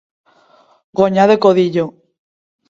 Guanyar de codillo.